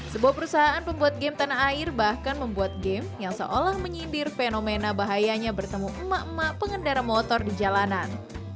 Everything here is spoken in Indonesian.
sebuah perusahaan pembuat game tanah air bahkan membuat game yang seolah menyindir fenomena bahayanya bertemu emak emak pengendara motor di jalanan